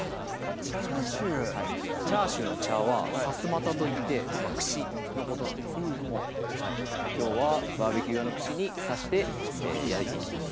チャーシューはいチャーシューの「チャ」はさすまたといって串のことなんですけれどもきょうはバーベキュー用の串に刺して焼いていきます